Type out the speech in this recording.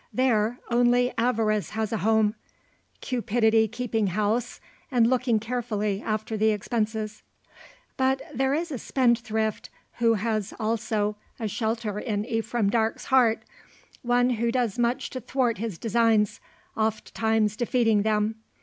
There only avarice has a home; cupidity keeping house, and looking carefully after the expenses. But there is a spendthrift who has also a shelter in Ephraim Darke's heart one who does much to thwart his designs, oft times defeating them.